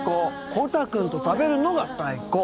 コタくんと食べるのがサイコー。